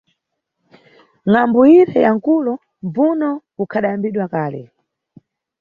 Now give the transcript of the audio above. Ngʼambu ire ya mkulo mbvuno ukhadayambidwa kale.